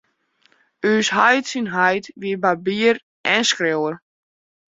Us heit syn heit wie barbier en skriuwer.